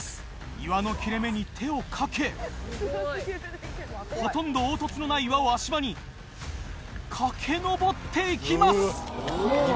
岩の切れ目に手をかけほとんど凹凸のない岩を足場に駆けのぼって行きます。